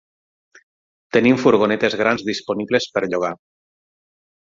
Tenim furgonetes grans disponibles per llogar.